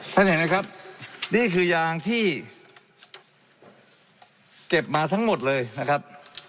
เห็นไหมครับนี่คือยางที่เก็บมาทั้งหมดเลยนะครับ